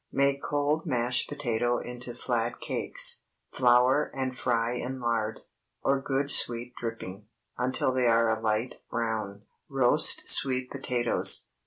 Make cold mashed potato into flat cakes; flour and fry in lard, or good sweet dripping, until they are a light brown. ROAST SWEET POTATOES.